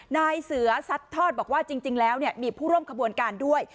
นายเสือซัดทอดบอกว่าจริงแล้วมีผู้ร่วมขบวนการด้วย